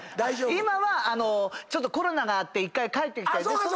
今はちょっとコロナがあって１回帰ってきて。